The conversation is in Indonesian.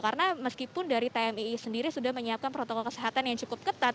karena meskipun dari tmi sendiri sudah menyiapkan protokol kesehatan yang cukup ketat